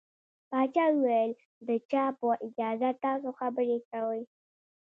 پاچا وويل د چا په اجازه تاسو خبرې کوٸ.